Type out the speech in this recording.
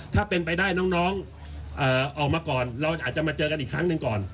ถ้าเป็นไปได้น้องออกมาก่อนเราอาจจะมาเจอกันอีกครั้งหนึ่งก่อน